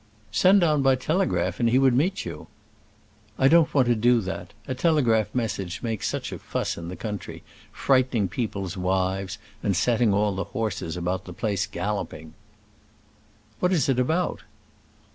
"Send down by telegraph, and he would meet you." "I don't want to do that. A telegraph message makes such a fuss in the country, frightening people's wives, and setting all the horses about the place galloping." "What is it about?"